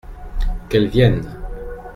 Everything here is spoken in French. Qu’elles viennent !